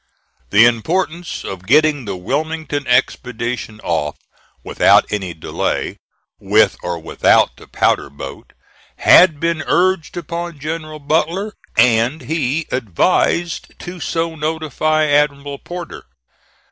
The importance of getting the Wilmington expedition off without any delay, with or without the powder boat, had been urged upon General Butler, and he advised to so notify Admiral Porter.